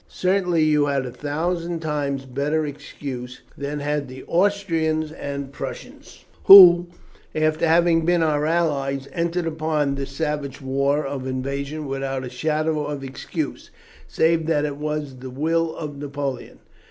Certainly you had a thousand times better excuse than had the Austrians and Prussians, who, after having been our allies, entered upon this savage war of invasion without a shadow of excuse, save that it was the will of Napoleon.